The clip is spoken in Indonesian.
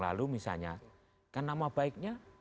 lalu misalnya kan nama baiknya